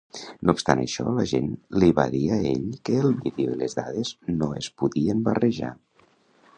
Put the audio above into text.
No obstant això, la gent li va dir a ell que el vídeo i les dades no es podien barrejar.